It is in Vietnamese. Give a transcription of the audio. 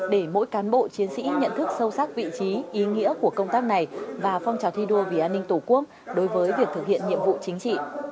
để mỗi cán bộ chiến sĩ nhận thức sâu sắc vị trí ý nghĩa của công tác này và phong trào thi đua vì an ninh tổ quốc đối với việc thực hiện nhiệm vụ chính trị